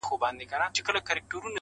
o گرانه شاعره له مودو راهسي.